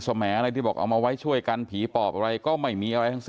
แหมอะไรที่บอกเอามาไว้ช่วยกันผีปอบอะไรก็ไม่มีอะไรทั้งสิ้น